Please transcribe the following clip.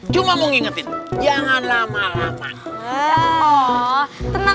cuma mau ngingetin jangan lama lama